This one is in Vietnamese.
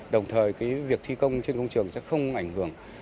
đồng thời cái việc thi công trên công trường sẽ không ảnh hưởng